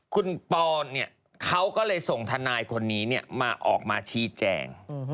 คุณปอล์เนี่ยเขาก็เลยส่งทนายคนนี้เนี่ยมาออกมาชี้แจง